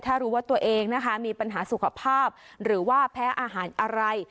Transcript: ถ้ารู้ว่าตัวเองนะคะมีปัญหาสุขภาพหรือว่าแพ้อาหารอะไร